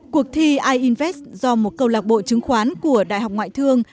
cuộc thi i invest do một cầu lạc bộ chứng khoán của đại học ngoại thương